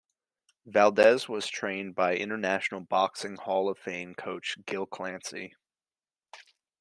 Valdez was trained by International Boxing Hall of Fame coach Gil Clancy.